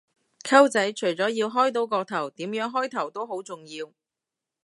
溝仔，除咗要開到個頭，點樣開頭都好重要